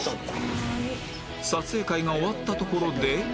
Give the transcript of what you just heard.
撮影会が終わったところで